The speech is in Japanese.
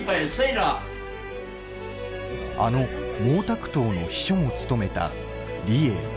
あの毛沢東の秘書も務めた李鋭。